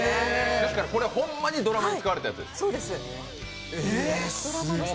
ですから、これはほんまにドラマに使われたものです。